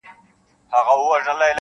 له دوزخه د جنت مهمان را ووت ,